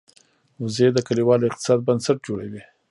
وزې د کلیوالو اقتصاد بنسټ جوړوي